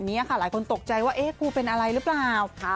เนี้ยค่ะหลายคนตกใจว่าถู้เป็นอะไรรึเปล่าค่ะ